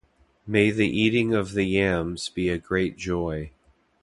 May the eating of the yams be a great joy.